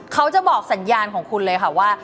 เขาจะบอกสัญญาณของคุณเลยค่ะว่า